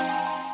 aku mau ke rumah